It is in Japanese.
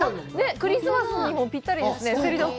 クリスマスにもぴったりですね、セリドック。